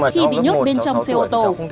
khi bị nhốt bên trong xe ô tô